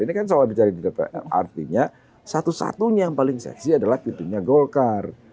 ini kan soal bicara di dpr artinya satu satunya yang paling seksi adalah pintunya golkar